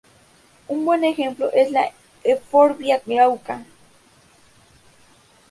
Un buen ejemplo es la "Euphorbia glauca.